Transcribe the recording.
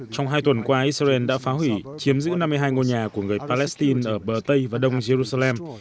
trong hai tuần qua israel đã phá hủy chiếm giữ năm mươi hai ngôi nhà của người palestine ở bờ tây và đông jerusalem